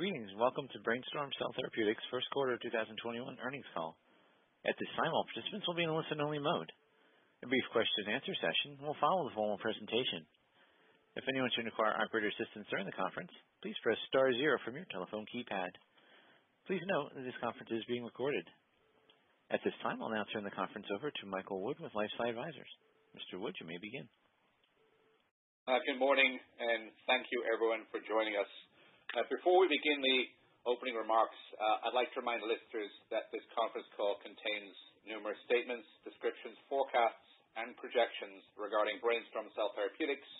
Greetings. Welcome to Brainstorm Cell Therapeutics' first quarter 2021 earnings call. At this time, all participants will be in listen-only mode. A brief question-and-answer session will follow the formal presentation. If anyone should require operator assistance during the conference, please press star zero from your telephone keypad. Please note that this conference is being recorded. At this time, I'll now turn the conference over to Michael Wood with LifeSci Advisors. Mr. Wood, you may begin. Good morning. Thank you everyone for joining us. Before we begin the opening remarks, I'd like to remind listeners that this conference call contains numerous statements, descriptions, forecasts, and projections regarding Brainstorm Cell Therapeutics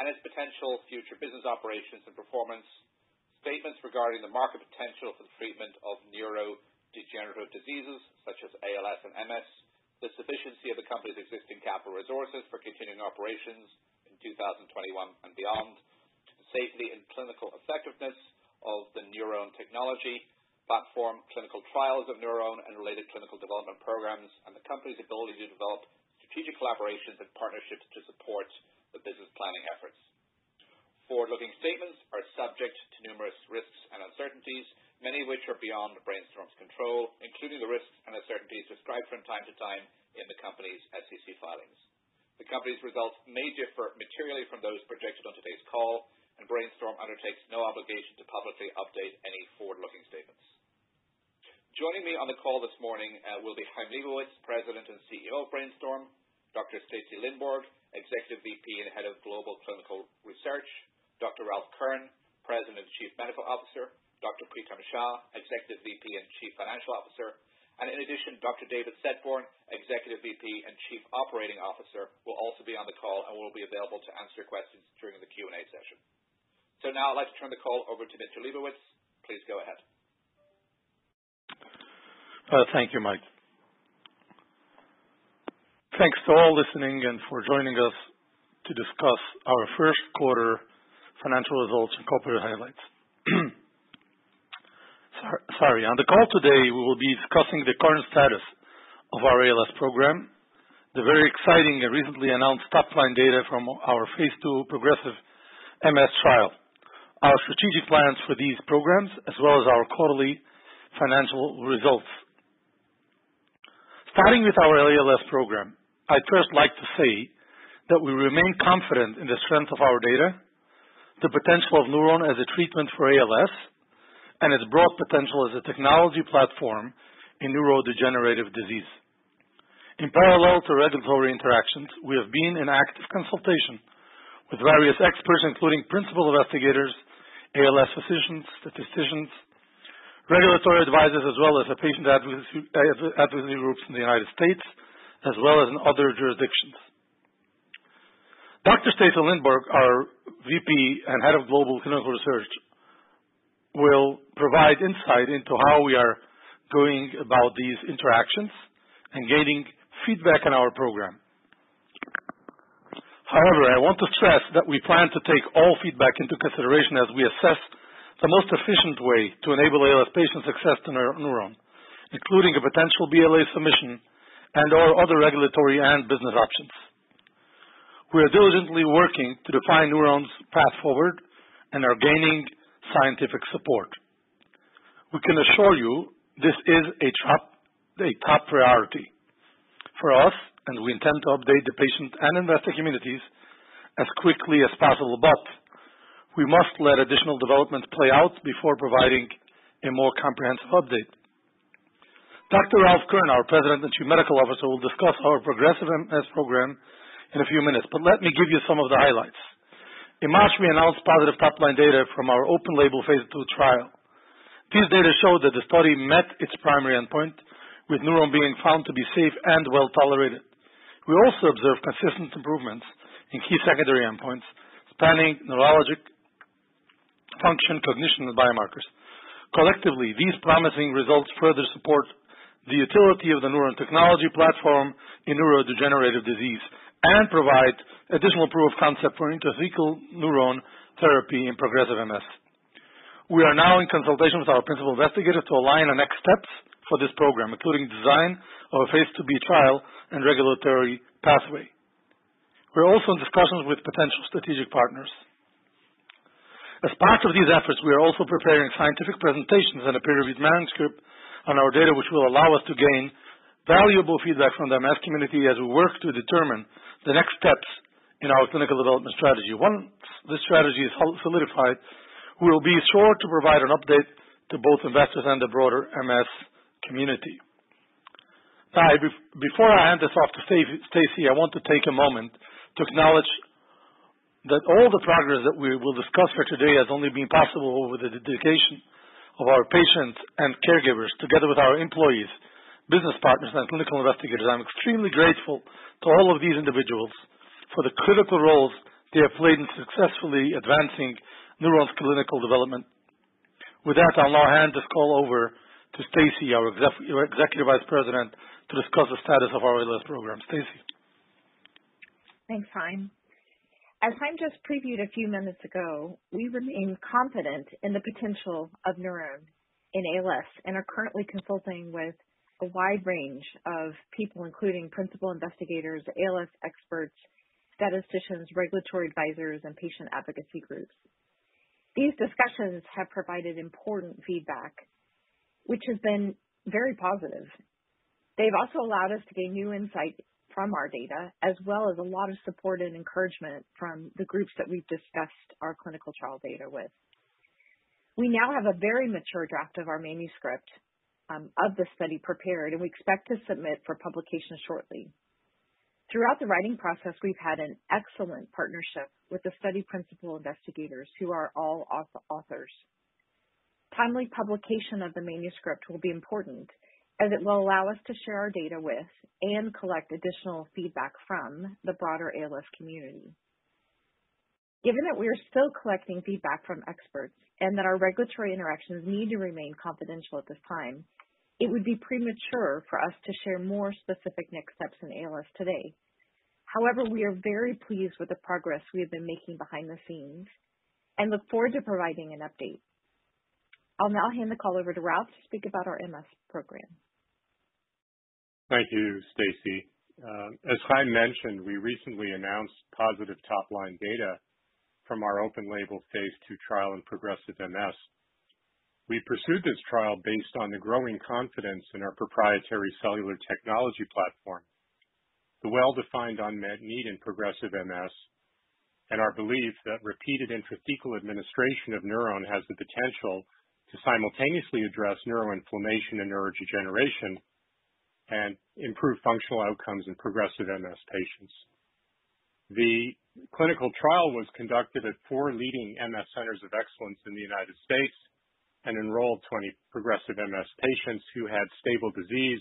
and its potential future business operations and performance. Statements regarding the market potential for the treatment of neurodegenerative diseases such as ALS and MS, the sufficiency of the company's existing capital resources for continuing operations in 2021 and beyond, safety and clinical effectiveness of the NurOwn technology platform, clinical trials of NurOwn and related clinical development programs, and the company's ability to develop strategic collaborations and partnerships to support the business planning efforts. Forward-looking statements are subject to numerous risks and uncertainties, many of which are beyond Brainstorm's control, including the risks and uncertainties described from time to time in the company's SEC filings. The company's results may differ materially from those projected on today's call. BrainStorm undertakes no obligation to publicly update any forward-looking statements. Joining me on the call this morning will be Chaim Lebovits, President and CEO of BrainStorm, Dr. Stacy Lindborg, Executive VP and Head of Global Clinical Research, Dr. Ralph Kern, President and Chief Medical Officer, Dr. Preetam Shah, Executive VP and Chief Financial Officer. In addition, Dr. David Setboun, Executive VP and Chief Operating Officer, will also be on the call and will be available to answer questions during the Q&A session. Now I'd like to turn the call over to Mr. Lebovits. Please go ahead. Thank you, Mike. Thanks to all listening and for joining us to discuss our first quarter financial results and corporate highlights. Sorry. On the call today, we will be discussing the current status of our ALS program, the very exciting and recently announced top-line data from our phase II progressive MS trial, our strategic plans for these programs, as well as our quarterly financial results. Starting with our ALS program, I'd first like to say that we remain confident in the strength of our data, the potential of NurOwn as a treatment for ALS, and its broad potential as a technology platform in neurodegenerative disease. In parallel to regulatory interactions, we have been in active consultation with various experts, including principal investigators, ALS physicians, statisticians, regulatory advisors as well as the patient advocacy groups in the United States, as well as in other jurisdictions. Dr. Stacy Lindborg, our VP and Head of Global Clinical Research, will provide insight into how we are going about these interactions and gaining feedback on our program. I want to stress that we plan to take all feedback into consideration as we assess the most efficient way to enable ALS patients' access to NurOwn, including a potential BLA submission and/or other regulatory and business options. We are diligently working to define NurOwn's path forward and are gaining scientific support. We can assure you this is a top priority for us, and we intend to update the patient and investor communities as quickly as possible. We must let additional developments play out before providing a more comprehensive update. Dr. Ralph Kern, our President and Chief Medical Officer, will discuss our progressive MS program in a few minutes, but let me give you some of the highlights. In March, we announced positive top-line data from our open label phase II trial. These data showed that the study met its primary endpoint, with NurOwn being found to be safe and well-tolerated. We also observed consistent improvements in key secondary endpoints, spanning neurologic function, cognition, and biomarkers. Collectively, these promising results further support the utility of the NurOwn technology platform in neurodegenerative disease and provide additional proof of concept for intrathecal NurOwn therapy in progressive MS. We are now in consultation with our principal investigator to align the next steps for this program, including design of a phase II-B trial and regulatory pathway. We're also in discussions with potential strategic partners. As part of these efforts, we are also preparing scientific presentations and a peer-reviewed manuscript on our data, which will allow us to gain valuable feedback from the MS community as we work to determine the next steps in our clinical development strategy. Once this strategy is solidified, we will be sure to provide an update to both investors and the broader MS community. Now, before I hand this off to Stacy, I want to take a moment to acknowledge that all the progress that we will discuss for today has only been possible with the dedication of our patients and caregivers, together with our employees, business partners, and clinical investigators. I'm extremely grateful to all of these individuals for the critical roles they have played in successfully advancing NurOwn's clinical development. With that, I'll now hand this call over to Stacy, our Executive Vice President, to discuss the status of our ALS program. Stacy. Thanks, Chaim. As Chaim just previewed a few minutes ago, we remain confident in the potential of NurOwn in ALS and are currently consulting with a wide range of people, including principal investigators, ALS experts. Statisticians, regulatory advisors, and patient advocacy groups. These discussions have provided important feedback, which has been very positive. They've also allowed us to gain new insight from our data, as well as a lot of support and encouragement from the groups that we've discussed our clinical trial data with. We now have a very mature draft of our manuscript of the study prepared, and we expect to submit for publication shortly. Throughout the writing process, we've had an excellent partnership with the study principal investigators, who are all authors. Timely publication of the manuscript will be important, as it will allow us to share our data with, and collect additional feedback from, the broader ALS community. Given that we are still collecting feedback from experts and that our regulatory interactions need to remain confidential at this time, it would be premature for us to share more specific next steps in ALS today. However, we are very pleased with the progress we have been making behind the scenes and look forward to providing an update. I will now hand the call over to Ralph to speak about our MS program. Thank you, Stacy. As Chaim mentioned, we recently announced positive top-line data from our open label phase II trial in progressive MS. We pursued this trial based on the growing confidence in our proprietary cellular technology platform, the well-defined unmet need in progressive MS, and our belief that repeated intrathecal administration of NurOwn has the potential to simultaneously address neuroinflammation and neurodegeneration and improve functional outcomes in progressive MS patients. The clinical trial was conducted at four leading MS centers of excellence in the U.S. and enrolled 20 progressive MS patients who had stable disease.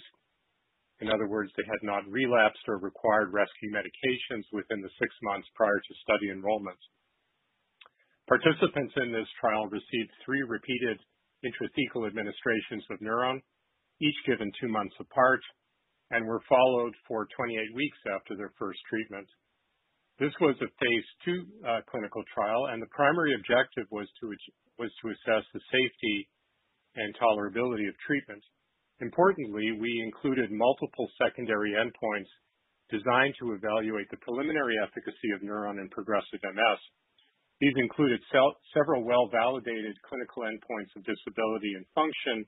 In other words, they had not relapsed or required rescue medications within the six months prior to study enrollment. Participants in this trial received three repeated intrathecal administrations of NurOwn, each given two months apart, and were followed for 28 weeks after their first treatment. This was a phase II clinical trial, and the primary objective was to assess the safety and tolerability of treatment. Importantly, we included multiple secondary endpoints designed to evaluate the preliminary efficacy of NurOwn in progressive MS. These included several well-validated clinical endpoints of disability and function,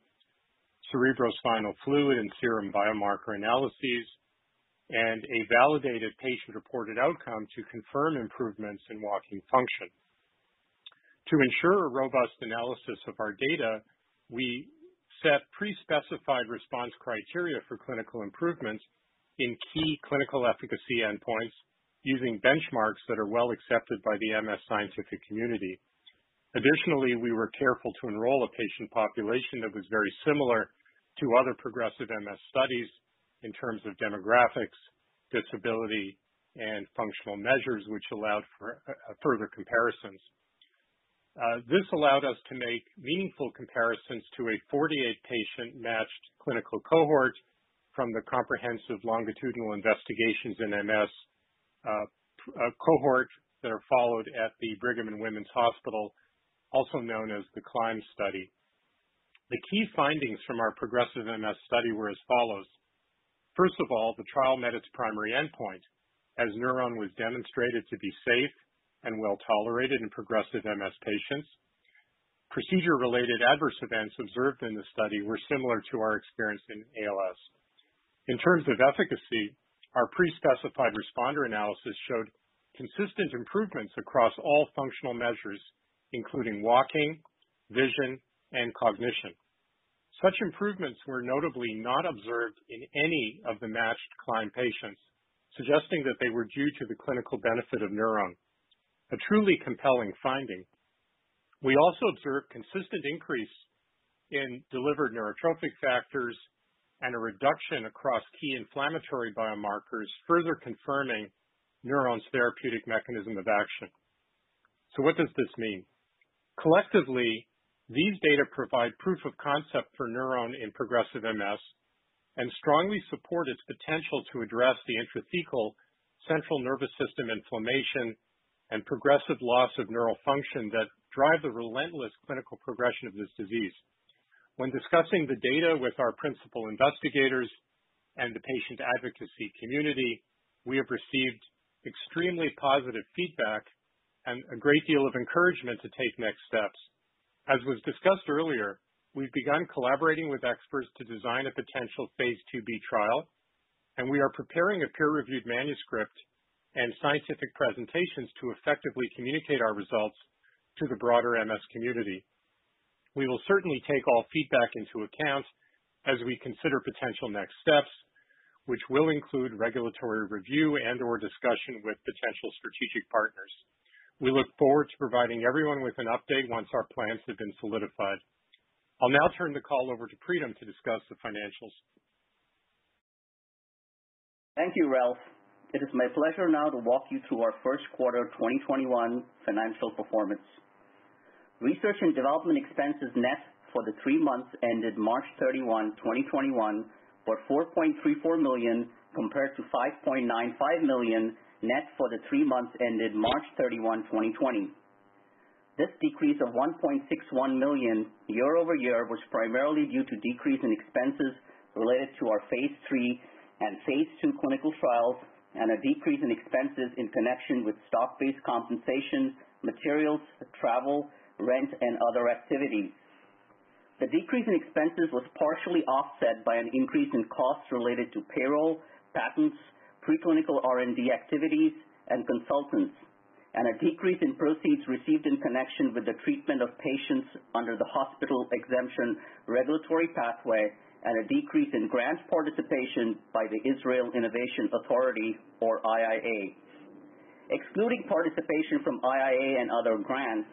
cerebrospinal fluid and serum biomarker analyses, and a validated patient-reported outcome to confirm improvements in walking function. To ensure a robust analysis of our data, we set pre-specified response criteria for clinical improvements in key clinical efficacy endpoints using benchmarks that are well accepted by the MS scientific community. Additionally, we were careful to enroll a patient population that was very similar to other progressive MS studies in terms of demographics, disability, and functional measures, which allowed for further comparisons. This allowed us to make meaningful comparisons to a 48-patient matched clinical cohort from the comprehensive longitudinal investigations in MS cohort that are followed at the Brigham and Women's Hospital, also known as the CLIMB study. The key findings from our progressive MS study were as follows. First of all, the trial met its primary endpoint, as NurOwn was demonstrated to be safe and well-tolerated in progressive MS patients. Procedure-related adverse events observed in the study were similar to our experience in ALS. In terms of efficacy, our pre-specified responder analysis showed consistent improvements across all functional measures, including walking, vision, and cognition. Such improvements were notably not observed in any of the matched CLIMB patients, suggesting that they were due to the clinical benefit of NurOwn, a truly compelling finding. We also observed consistent increase in delivered neurotrophic factors and a reduction across key inflammatory biomarkers, further confirming NurOwn's therapeutic mechanism of action. What does this mean? Collectively, these data provide proof of concept for NurOwn in progressive MS and strongly support its potential to address the intrathecal central nervous system inflammation and progressive loss of neural function that drive the relentless clinical progression of this disease. When discussing the data with our principal investigators and the patient advocacy community, we have received extremely positive feedback and a great deal of encouragement to take next steps. As was discussed earlier, we've begun collaborating with experts to design a potential phase II-B trial, and we are preparing a peer-reviewed manuscript and scientific presentations to effectively communicate our results to the broader MS community. We will certainly take all feedback into account as we consider potential next steps, which will include regulatory review and/or discussion with potential strategic partners. We look forward to providing everyone with an update once our plans have been solidified. I'll now turn the call over to Preetam to discuss the financials. Thank you, Ralph. It is my pleasure now to walk you through our first quarter 2021 financial performance. Research and development expenses net for the three months ended March 31, 2021, were $4.34 million, compared to $5.95 million net for the three months ended March 31, 2020. This decrease of $1.61 million year-over-year was primarily due to decrease in expenses related to our phase III and phase II clinical trials, and a decrease in expenses in connection with stock-based compensation, materials, travel, rent, and other activities. The decrease in expenses was partially offset by an increase in costs related to payroll, patents, preclinical R&D activities, and consultants, and a decrease in proceeds received in connection with the treatment of patients under the hospital exemption regulatory pathway, and a decrease in grants participation by the Israel Innovation Authority, or IIA. Excluding participation from IIA and other grants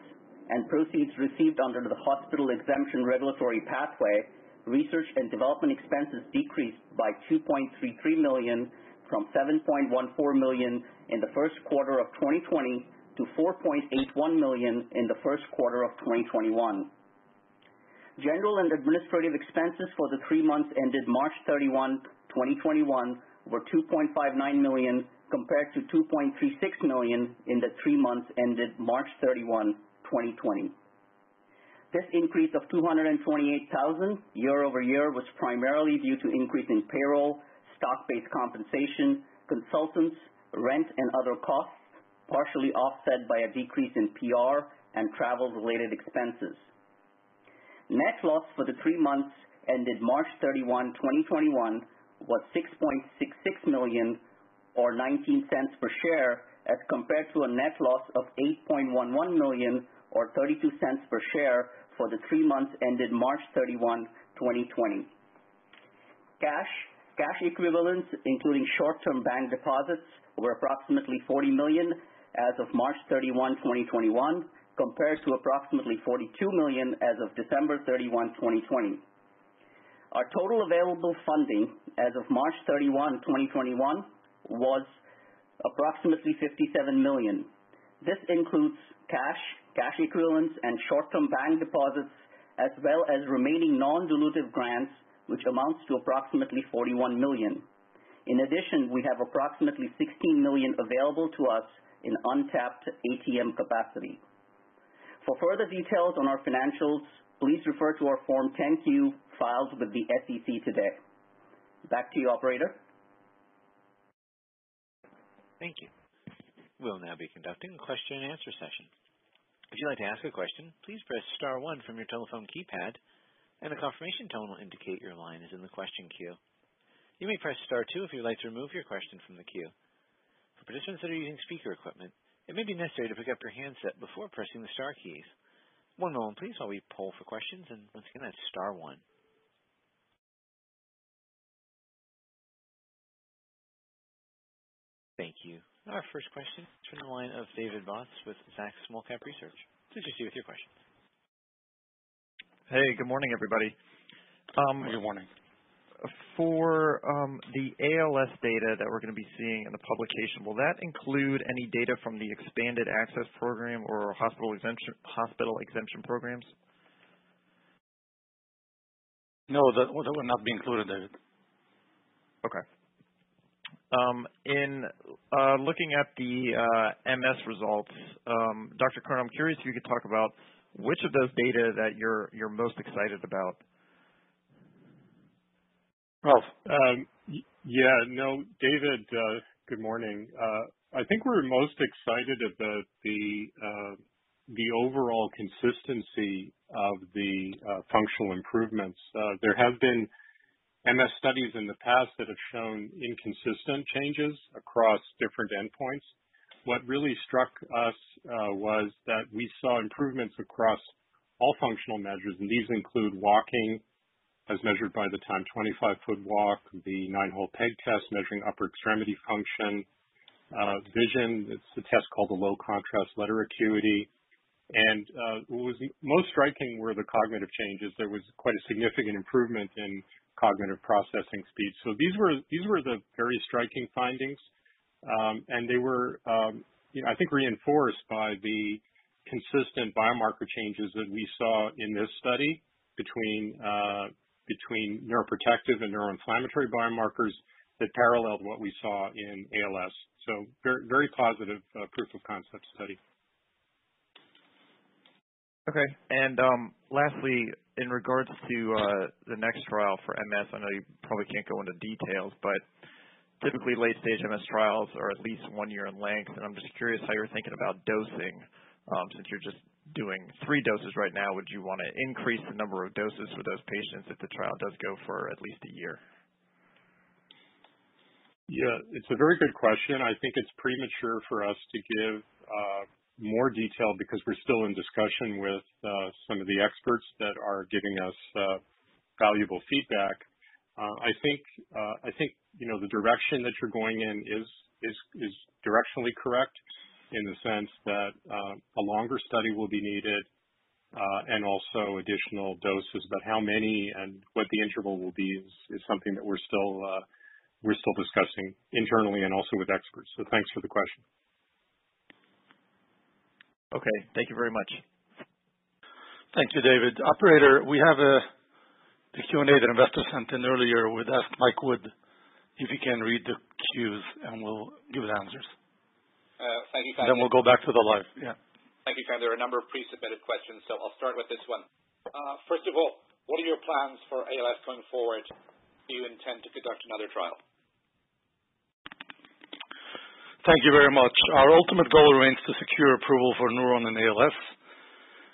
and proceeds received under the hospital exemption regulatory pathway, research and development expenses decreased by $2.33 million from $7.14 million in the first quarter of 2020 to $4.81 million in the first quarter of 2021. General and administrative expenses for the three months ended March 31, 2021, were $2.59 million, compared to $2.36 million in the three months ended March 31, 2020. This increase of $228,000 year-over-year was primarily due to increase in payroll, stock-based compensation, consultants, rent, and other costs, partially offset by a decrease in PR and travel-related expenses. Net loss for the three months ended March 31, 2021, was $6.66 million, or $0.19 per share, as compared to a net loss of $8.11 million or $0.32 per share for the three months ended March 31, 2020. Cash equivalents, including short-term bank deposits, were approximately $40 million as of March 31, 2021, compared to approximately $42 million as of December 31, 2020. Our total available funding as of March 31, 2021, was approximately $57 million. This includes cash equivalents, and short-term bank deposits, as well as remaining non-dilutive grants, which amounts to approximately $41 million. In addition, we have approximately $16 million available to us in untapped ATM capacity. For further details on our financials, please refer to our Form 10-Q filed with the SEC today. Back to you, Operator. Thank you. We'll now be conducting a question-and-answer session. If you'd like to ask a question, please press star one from your telephone keypad and a confirmation tone will indicate your line is in the question queue. You may press star two if you'd like to remove your question from the queue. For participants that are using speaker equipment, it may be necessary to pick up your handset before pressing the star keys. One moment please, while we poll for questions. Once again, that's star one. Thank you. Our first question is from the line of David Bautz with Zacks Small Cap Research. Please proceed with your question. Hey, good morning, everybody. Good morning. For the ALS data that we're going to be seeing in the publication, will that include any data from the expanded access program or hospital exemption programs? No. That will not be included, David. Okay. In looking at the MS results, Dr. Kern, I'm curious if you could talk about which of those data that you're most excited about. Yeah. David, good morning. I think we're most excited about the overall consistency of the functional improvements. There have been MS studies in the past that have shown inconsistent changes across different endpoints. What really struck us was that we saw improvements across all functional measures, and these include walking, as measured by the Timed 25-Foot Walk, the Nine-Hole Peg Test, measuring upper extremity function. Vision, it's a test called the low-contrast letter acuity. What was most striking were the cognitive changes. There was quite a significant improvement in cognitive processing speed. These were the very striking findings, and they were I think reinforced by the consistent biomarker changes that we saw in this study between neuroprotective and neuroinflammatory biomarkers that paralleled what we saw in ALS. Very positive proof of concept study. Okay. Lastly, in regards to the next trial for MS, I know you probably can't go into details, but typically late-stage MS trials are at least one year in length, I'm just curious how you're thinking about dosing since you're just doing three doses right now. Would you want to increase the number of doses for those patients if the trial does go for at least a year? Yeah. It's a very good question. I think it's premature for us to give more detail because we're still in discussion with some of the experts that are giving us valuable feedback. I think the direction that you're going in is directionally correct in the sense that a longer study will be needed, and also additional doses. How many and what the interval will be is something that we're still discussing internally and also with experts. Thanks for the question. Okay. Thank you very much. Thank you, David. Operator, we have the Q&A that investors sent in earlier. We'd ask Mike Wood if he can read the Q&As, and we'll give the answers. Thank you, Chaim. We'll go back to the live. Yeah. Thank you, Chaim. There are a number of pre-submitted questions, I'll start with this one. First of all, what are your plans for ALS going forward? Do you intend to conduct another trial? Thank you very much. Our ultimate goal remains to secure approval for NurOwn in ALS,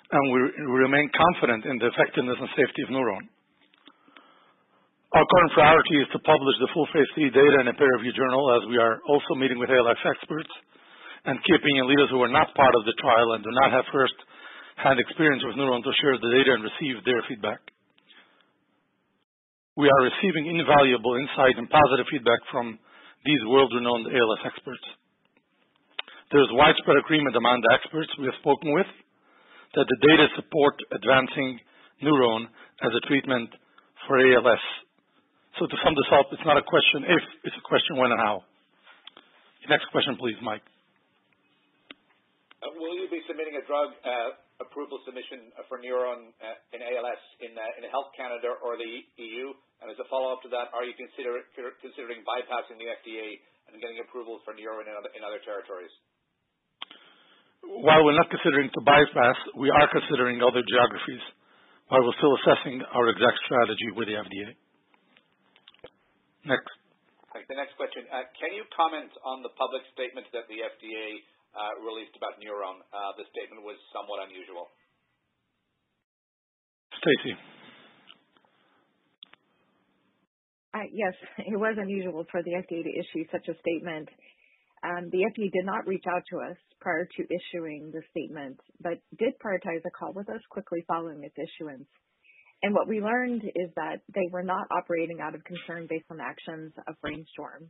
and we remain confident in the effectiveness and safety of NurOwn. Our current priority is to publish the full phase III data in a peer-review journal as we are also meeting with ALS experts and key opinion leaders who are not part of the trial and do not have first-hand experience with NurOwn to share the data and receive their feedback. We are receiving invaluable insight and positive feedback from these world-renowned ALS experts. There's widespread agreement among the experts we have spoken with that the data support advancing NurOwn as a treatment for ALS. To sum this up, it's not a question if, it's a question when and how. Next question please, Mike. Will you be submitting a drug approval submission for NurOwn in ALS in Health Canada or the EU? As a follow-up to that, are you considering bypassing the FDA and getting approval for NurOwn in other territories? While we're not considering to bypass, we are considering other geographies, while we're still assessing our exact strategy with the FDA. Next. The next question. Can you comment on the public statement that the FDA released about NurOwn? The statement was somewhat unusual. Stacy. Yes. It was unusual for the FDA to issue such a statement. The FDA did not reach out to us prior to issuing the statement but did prioritize a call with us quickly following its issuance. What we learned is that they were not operating out of concern based on actions of BrainStorm.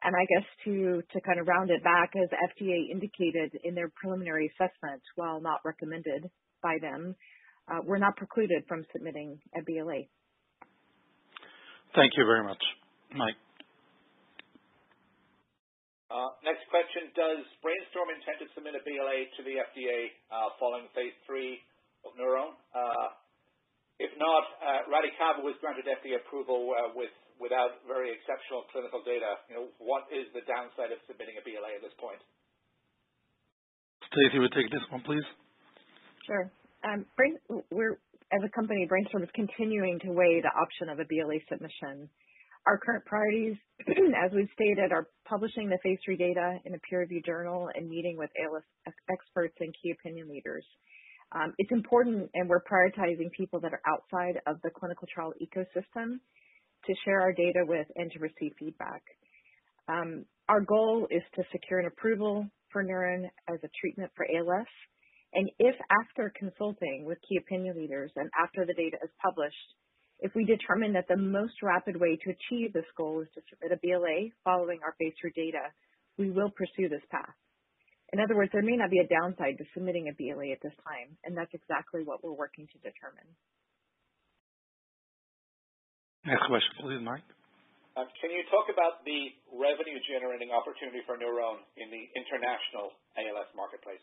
I guess to round it back, as FDA indicated in their preliminary assessment, while not recommended by them, we're not precluded from submitting a BLA. Thank you very much. Mike. Next question. Does BrainStorm intend to submit a BLA to the FDA following phase III of NurOwn? If not, RADICAVA was granted FDA approval without very exceptional clinical data. What is the downside of submitting a BLA at this point? Stacy will take this one, please. Sure. As a company, BrainStorm is continuing to weigh the option of a BLA submission. Our current priorities, as we've stated, are publishing the phase III data in a peer-review journal and meeting with ALS experts and key opinion leaders. It's important, we're prioritizing people that are outside of the clinical trial ecosystem to share our data with and to receive feedback. Our goal is to secure an approval for NurOwn as a treatment for ALS. If after consulting with key opinion leaders and after the data is published, if we determine that the most rapid way to achieve this goal is to submit a BLA following our phase III data, we will pursue this path. In other words, there may not be a downside to submitting a BLA at this time, and that's exactly what we're working to determine. Next question, please, Mike. Can you talk about the revenue-generating opportunity for NurOwn in the international ALS marketplace?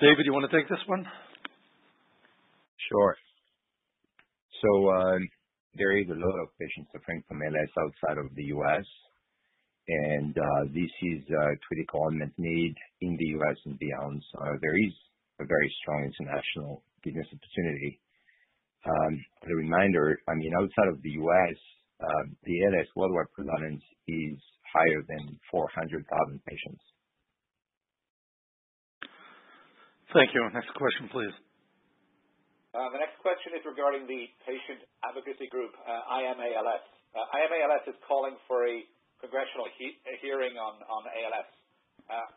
David, you want to take this one? Sure. There is a lot of patients suffering from ALS outside of the U.S., and this is a critical unmet need in the U.S. and beyond. There is a very strong international business opportunity. As a reminder, outside of the U.S., the ALS worldwide prevalence is higher than 400,000 patients. Thank you. Next question, please. The next question is regarding the patient advocacy group, I AM ALS. I AM ALS is calling for a congressional hearing on ALS.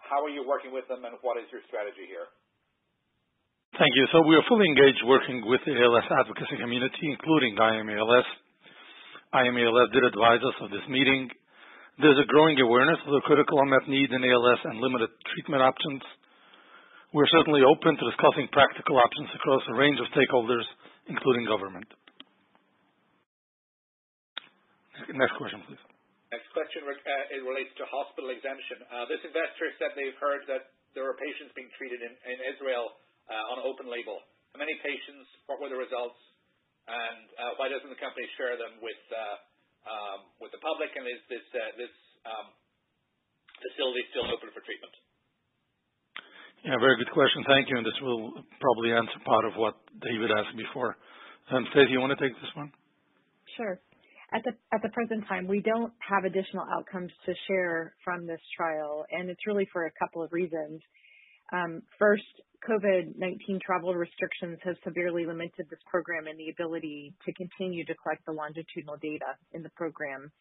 How are you working with them, and what is your strategy here? Thank you. We are fully engaged working with the ALS advocacy community, including I AM ALS. I AM ALS did advise us of this meeting. There's a growing awareness of the critical unmet need in ALS and limited treatment options. We're certainly open to discussing practical options across a range of stakeholders, including government. Next question, please. Next question. It relates to hospital exemption. This investor has said they've heard that there are patients being treated in Israel on open label. How many patients? What were the results? Why doesn't the company share them with the public? Is this facility still open for treatment? Yeah. Very good question. Thank you. This will probably answer part of what David asked before. Stacy, you want to take this one? Sure. At the present time, we don't have additional outcomes to share from this trial. It's really for a couple of reasons. First, COVID-19 travel restrictions have severely limited this program and the ability to continue to collect the longitudinal data in the program.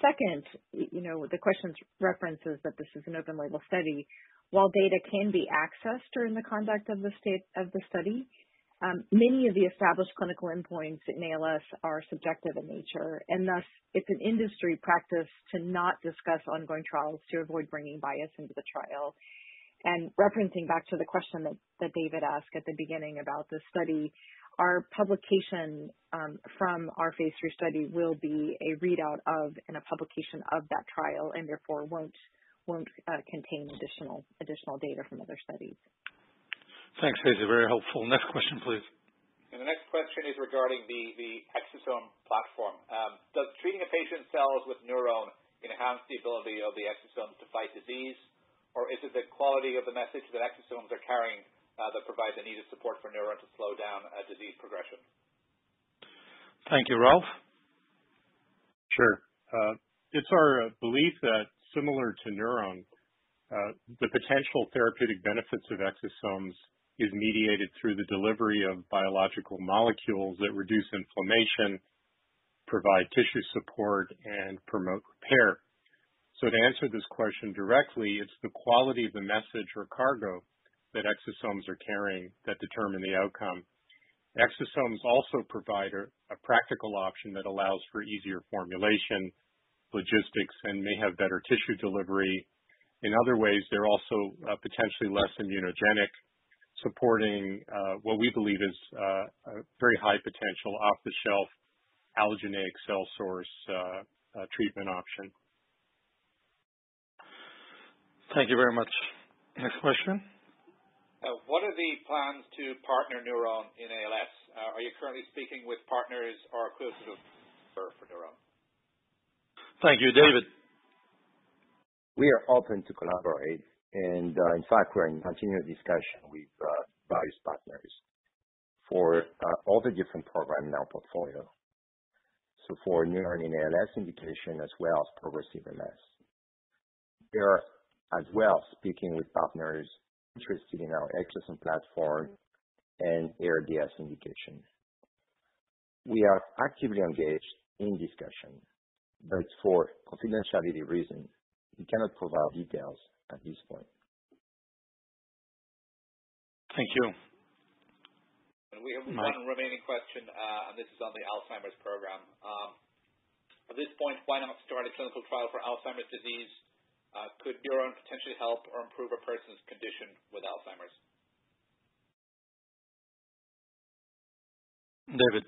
Second, the question references that this is an open label study. While data can be accessed during the conduct of the study, many of the established clinical endpoints in ALS are subjective in nature, and thus, it's an industry practice to not discuss ongoing trials to avoid bringing bias into the trial. Referencing back to the question that David asked at the beginning about this study, our publication from our phase III study will be a readout of and a publication of that trial, and therefore won't contain additional data from other studies. Thanks, Stacy. Very helpful. Next question, please. The next question is regarding the exosome platform. Does treating a patient's cells with NurOwn enhance the ability of the exosomes to fight disease? Or is it the quality of the message that exosomes are carrying that provides the needed support for NurOwn to slow down disease progression? Thank you. Ralph? Sure. It's our belief that similar to NurOwn, the potential therapeutic benefits of exosomes is mediated through the delivery of biological molecules that reduce inflammation, provide tissue support, and promote repair. To answer this question directly, it's the quality of the message or cargo that exosomes are carrying that determine the outcome. Exosomes also provide a practical option that allows for easier formulation, logistics, and may have better tissue delivery. In other ways, they're also potentially less immunogenic, supporting what we believe is a very high-potential, off-the-shelf allogeneic cell source treatment option. Thank you very much. Next question. What are the plans to partner NurOwn in ALS? Are you currently speaking with partners or close to for NurOwn? Thank you. David? We are open to collaborate. In fact, we're in continued discussion with various partners for all the different programs in our portfolio. For NurOwn in ALS indication as well as progressive MS. We are, as well, speaking with partners interested in our exosome platform and ARDS indication. We are actively engaged in discussion, but for confidentiality reasons, we cannot provide details at this point. Thank you. We have one remaining question, and this is on the Alzheimer's program. At this point, why not start a clinical trial for Alzheimer's disease? Could NurOwn potentially help or improve a person's condition with Alzheimer's? David.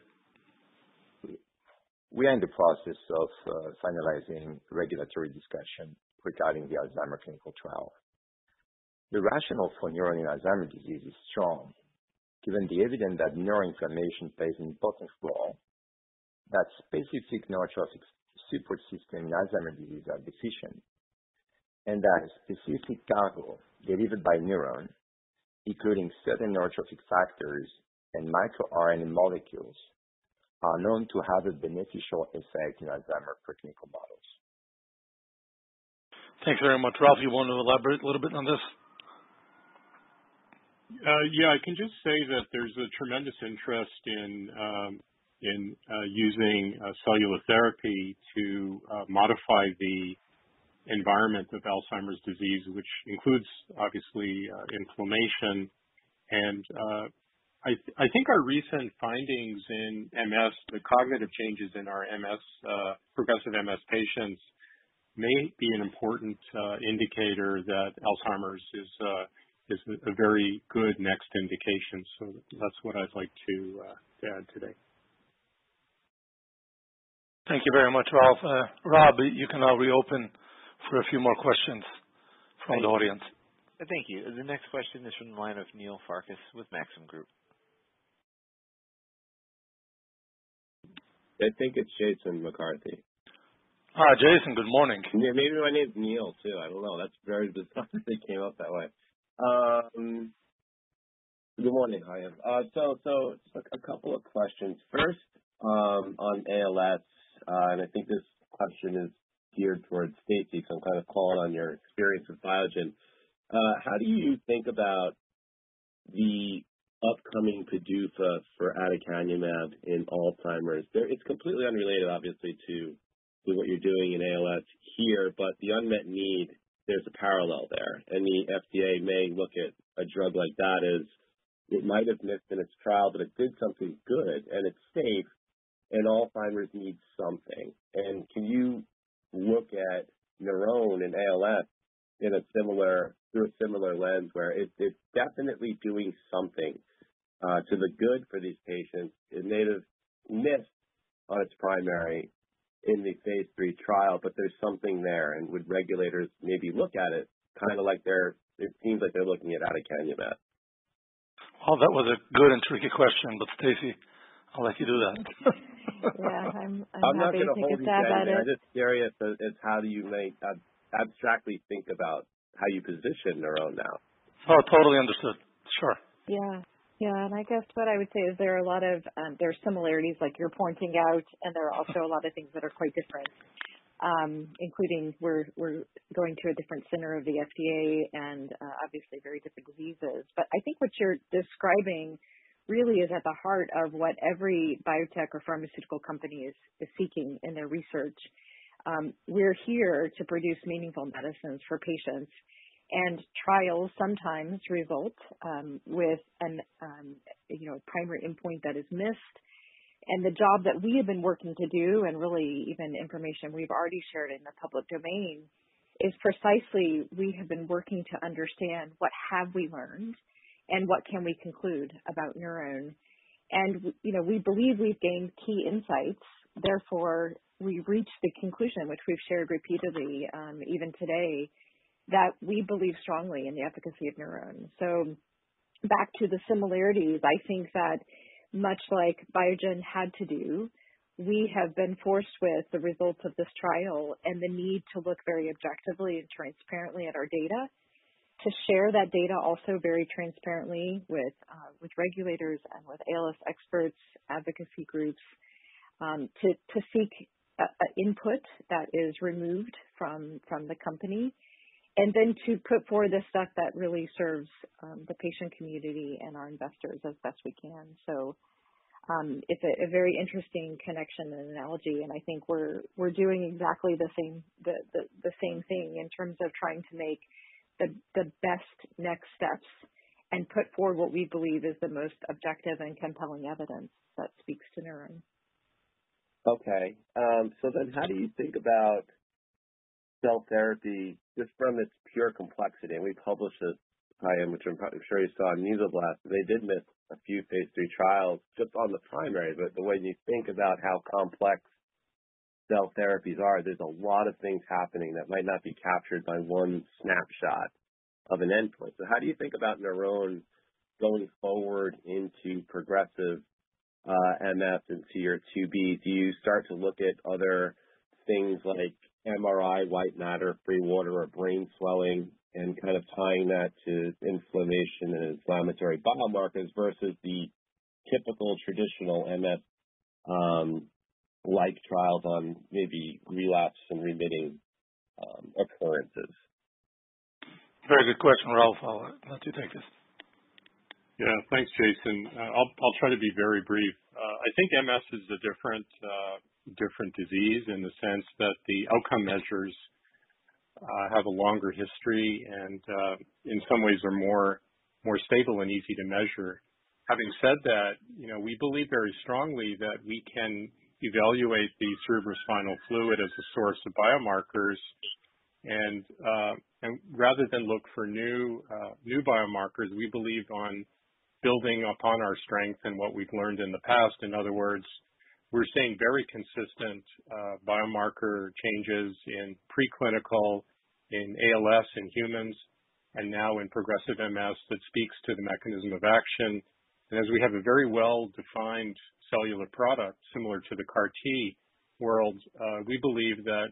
We are in the process of finalizing regulatory discussion regarding the Alzheimer's clinical trial. The rationale for NurOwn in Alzheimer's disease is strong, given the evidence that neuroinflammation plays an important role, that specific neurotrophic support system in Alzheimer's disease are deficient, and that specific cargo delivered by NurOwn, including certain neurotrophic factors and microRNA molecules, are known to have a beneficial effect in Alzheimer's preclinical models. Thank you very much. Ralph, you want to elaborate a little bit on this? Yeah. I can just say that there's a tremendous interest in using cellular therapy to modify the environment of Alzheimer's disease, which includes, obviously, inflammation. I think our recent findings in MS, the cognitive changes in our progressive MS patients, may be an important indicator that Alzheimer's is a very good next indication. That's what I'd like to add today. Thank you very much, Ralph. Rob, you can now reopen for a few more questions from the audience. Thank you. The next question is from the line of Neil Farkas with Maxim Group. I think it's Jason McCarthy. Jason, good morning. Yeah. Maybe my name's Neil, too. I don't know. That's very bizarre they came up that way. Good morning. Just a couple of questions. First, on ALS. I think this question is geared towards Stacy. I'm calling on your experience with Biogen. How do you think about the upcoming PDUFA for aducanumab in Alzheimer's? It's completely unrelated, obviously, to what you're doing in ALS here. The unmet need, there's a parallel there. The FDA may look at a drug like that as it might have missed in its trial. It did something good and it's safe. Alzheimer's needs something. Can you look at NurOwn and ALS through a similar lens, where it's definitely doing something to the good for these patients? It may have missed on its primary in the phase III trial. There's something there. Would regulators maybe look at it like it seems like they're looking at aducanumab. Well, that was a good and tricky question, but Stacy, I'll let you do that. Yeah. I'm happy to take a stab at it. I'm not going to hold you to anything. I'm just curious as how do you abstractly think about how you position NurOwn now? Oh, totally understood. Sure. Yeah. I guess what I would say is there are a lot of similarities like you're pointing out, and there are also a lot of things that are quite different, including we're going through a different center of the FDA and obviously very different diseases. I think what you're describing really is at the heart of what every biotech or pharmaceutical company is seeking in their research. We're here to produce meaningful medicines for patients, and trials sometimes result with a primary endpoint that is missed. The job that we have been working to do and really even information we've already shared in the public domain is precisely we have been working to understand what have we learned and what can we conclude about NurOwn. We believe we've gained key insights. We've reached the conclusion, which we've shared repeatedly, even today, that we believe strongly in the efficacy of NurOwn. Back to the similarities, I think that much like Biogen had to do, we have been forced with the results of this trial and the need to look very objectively and transparently at our data. To share that data also very transparently with regulators and with ALS experts, advocacy groups, to seek input that is removed from the company, then to put forward the stuff that really serves the patient community and our investors as best we can. It's a very interesting connection and analogy, I think we're doing exactly the same thing in terms of trying to make the best next steps and put forward what we believe is the most objective and compelling evidence that speaks to NurOwn. How do you think about cell therapy, just from its pure complexity? We published this, Chaim, which I'm sure you saw in Muscle & Nerve. They did miss a few phase III trials just on the primary, when you think about how complex cell therapies are, there's a lot of things happening that might not be captured by one snapshot of an endpoint. How do you think about NurOwn going forward into progressive MS into your phase II-B? Do you start to look at other things like MRI, white matter, free water, or brain swelling, and kind of tying that to inflammation and inflammatory biomarkers versus the typical traditional MS-like trials on maybe relapse and remitting occurrences? Very good question, Ralph. I'll let you take this. Yeah. Thanks, Jason. I'll try to be very brief. I think MS is a different disease in the sense that the outcome measures have a longer history and, in some ways, are more stable and easy to measure. Having said that, we believe very strongly that we can evaluate the cerebrospinal fluid as a source of biomarkers and, rather than look for new biomarkers, we believe on building upon our strength and what we've learned in the past. In other words, we're seeing very consistent biomarker changes in preclinical, in ALS, in humans, and now in progressive MS that speaks to the mechanism of action. As we have a very well-defined cellular product similar to the CAR T world, we believe that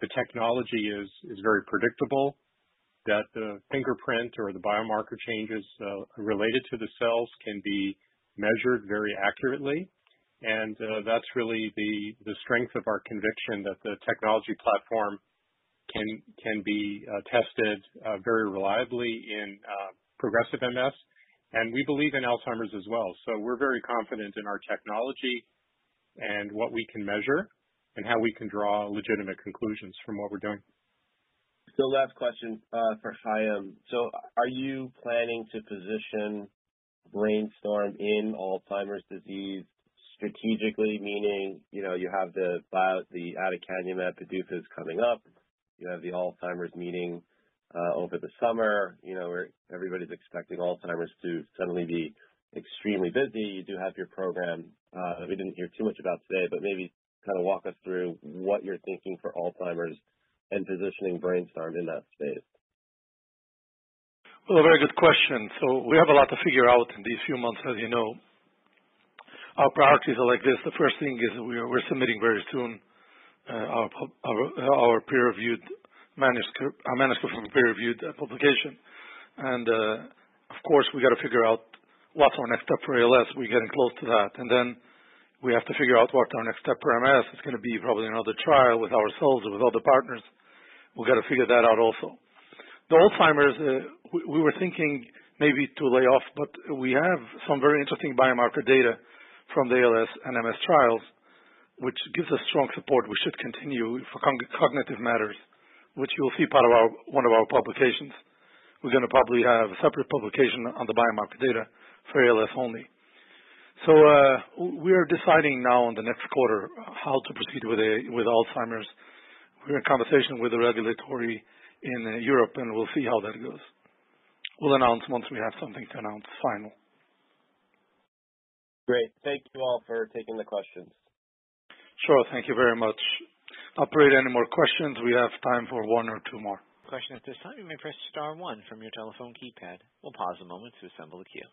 the technology is very predictable, that the fingerprint or the biomarker changes related to the cells can be measured very accurately. That's really the strength of our conviction that the technology platform can be tested very reliably in progressive MS, and we believe in Alzheimer's as well. We're very confident in our technology and what we can measure and how we can draw legitimate conclusions from what we're doing. Last question for cChaim. Are you planning to position BrainStorm in Alzheimer's disease strategically? Meaning, you have the aducanumab that PDUFA is coming up. You have the Alzheimer's meeting over the summer. Everybody's expecting Alzheimer's to suddenly be extremely busy. You do have your program. We didn't hear too much about today, but maybe walk us through what you're thinking for Alzheimer's and positioning BrainStorm in that space. Well, a very good question. We have a lot to figure out in these few months. As you know, our priorities are like this. The first thing is we're submitting very soon our manuscript for peer-reviewed publication. Of course, we got to figure out what's our next step for ALS. We're getting close to that. Then we have to figure out what our next step for MS is going to be, probably another trial with ourselves or with other partners. We've got to figure that out also. Alzheimer's, we were thinking maybe to lay off, but we have some very interesting biomarker data from the ALS and MS trials, which gives us strong support we should continue for cognitive matters, which you'll see part of our, one of our publications. We're going to probably have a separate publication on the biomarker data for ALS only. We are deciding now in the next quarter how to proceed with Alzheimer's. We're in conversation with the regulatory in Europe, and we'll see how that goes. We'll announce once we have something to announce final. Great. Thank you all for taking the questions. Sure. Thank you very much. Operator, any more questions? We have time for one or two more. Question at this time, you may press star one from your telephone keypad. We'll pause a moment to assemble a queue.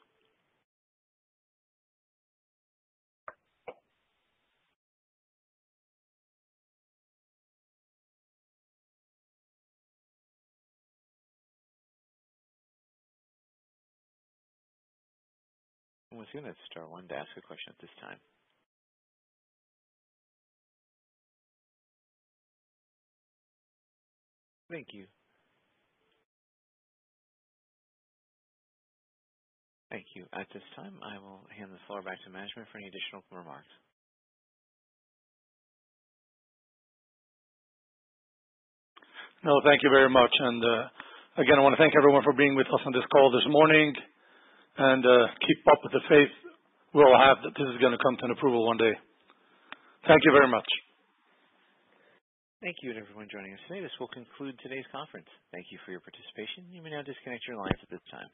Who is going to star one to ask a question at this time? Thank you. Thank you. At this time, I will hand this floor back to management for any additional remarks. No, thank you very much. Again, I want to thank everyone for being with us on this call this morning. Keep up with the faith we all have that this is going to come to an approval one day. Thank you very much. Thank you and everyone joining us today. This will conclude today's conference. Thank you for your participation. You may now disconnect your lines at this time.